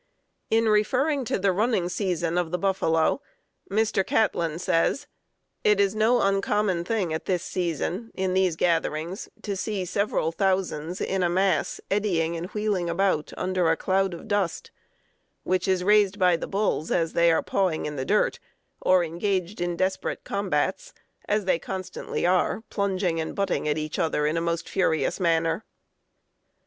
In referring to the "running season" of the buffalo, Mr. Catlin says: "It is no uncommon thing at this season, at these gatherings, to see several thousands in a mass eddying and wheeling about under a cloud of dust, which is raised by the bulls as they are pawing in the dirt, or engaged in desperate combats, as they constantly are, plunging and butting at each other in a most furious manner."